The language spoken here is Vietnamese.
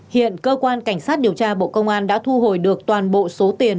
hiện cơ quan cảnh sát điều tra bộ công an đã thu hồi được toàn bộ số tiền